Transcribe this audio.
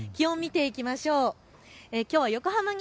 気温を見ていきましょう。